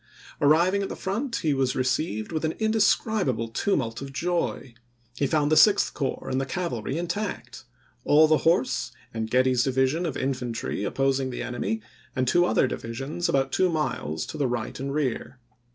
Arriving at the front he was received Report?' with an indescribable tumult of joy ; he found the Sixth Corps and the cavalry intact ; all the horse and Getty's division of infantry opposing the enemy and two other divisions about two miles to the right and rear.